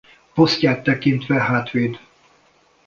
Posztját tekintve hátvéd.